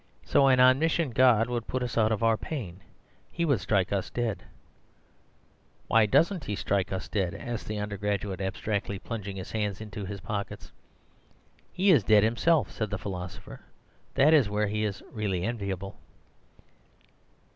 So an omniscient god would put us out of our pain. He would strike us dead.' "'Why doesn't he strike us dead?' asked the undergraduate abstractedly, plunging his hands into his pockets. "'He is dead himself,' said the philosopher; 'that is where he is really enviable.